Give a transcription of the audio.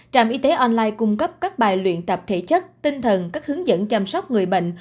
trạm y tế online cung cấp các bài luyện tập thể chất tinh thần các hướng dẫn chăm sóc người bệnh